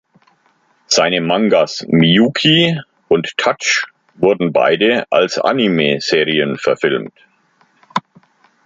Seine Mangas "Miyuki" und "Touch" wurden beide als Anime-Serien verfilmt.